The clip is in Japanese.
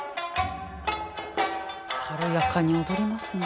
軽やかに踊りますね。